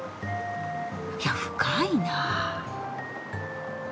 いや深いな。